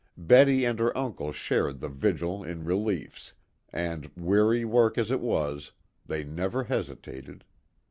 Betty and her uncle shared the vigil in reliefs, and, weary work as it was, they never hesitated.